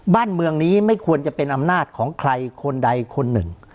บ้านเมืองนี้ไม่ควรจะเป็นอำนาจของใครคนใดคนหนึ่ง